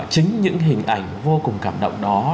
chính những hình ảnh vô cùng cảm động đó